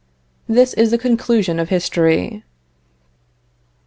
This is the conclusion of history.